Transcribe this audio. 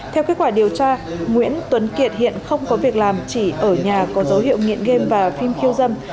theo kết quả điều tra nguyễn tuấn kiệt hiện không có việc làm chỉ ở nhà có dấu hiệu nghiện game và phim khiêu dâm